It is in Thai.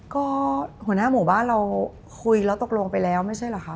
ก็หัวหน้าหมู่บ้านเราคุยแล้วตกลงไปแล้วไม่ใช่เหรอคะ